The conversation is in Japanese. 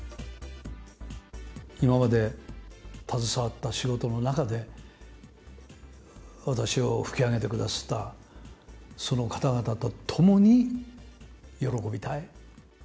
今まで携わった仕事の中で、私をふきあげてくださったその方々と共に喜びたい。